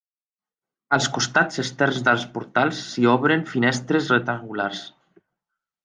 Als costats externs dels portals s'hi obren finestres rectangulars.